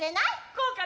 こうかな？